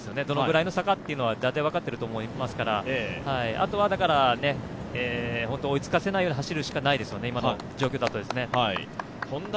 どのぐらいの差かというのは大体分かっていると思いますから、あとは追いつかせないように走るしかないですよね、今の状況だと。